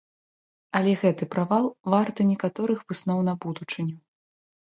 Але гэты правал варты некаторых высноў на будучыню.